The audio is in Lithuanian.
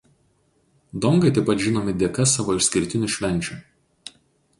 Dongai taip pat žinomi dėka savo išskirtinių švenčių.